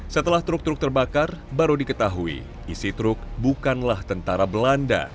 setelah truk truk terbakar baru diketahui isi truk bukanlah tentara belanda